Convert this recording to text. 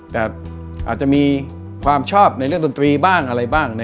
แต่อาจจะมีความชอบในเรื่องดนตรีบ้างอะไรบ้าง